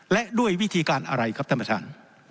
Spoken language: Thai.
และด้วยวิธีการอะไรครับท่านประธาน